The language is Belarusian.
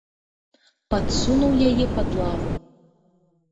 Падсунуў яе пад лаву.